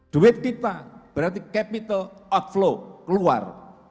duit kita berarti capital outflow keluar